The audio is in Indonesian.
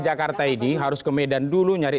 jakarta ini harus ke medan dulu nyari